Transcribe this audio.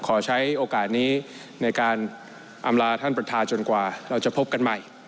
ขอใช้โอกาสนี้ในการอำลาท่านประธานจนกว่าเราจะพบกันใหม่